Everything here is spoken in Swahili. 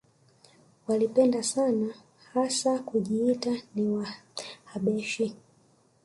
Walipenda sana hasa kujiita ni Wahabeshi